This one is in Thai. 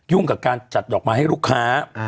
กับการจัดดอกไม้ให้ลูกค้า